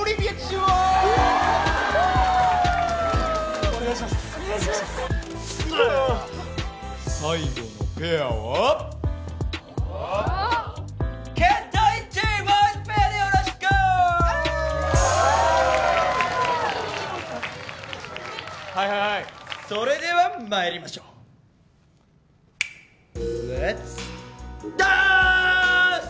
はいはいはいそれではまいりましょうレッツダーンス！